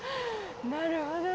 なるほど。